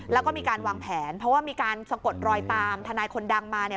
แล้วก็มีการวางแผนเพราะว่ามีการสะกดรอยตามทนายคนดังมาเนี่ย